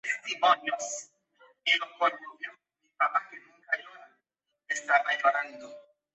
Actualmente, todas las constituciones de los estados contienen un precepto análogo.